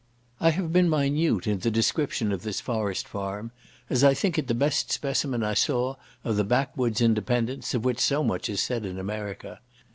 I have been minute in the description of this forest farm, as I think it the best specimen I saw of the back wood's independence, of which so much is said in America.